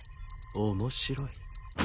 面白い。